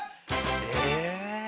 え？